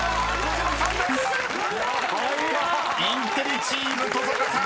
［インテリチーム登坂さん